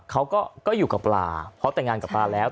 เขาก็อยู่กับปลาเพราะแต่งงานกับปลาแล้ว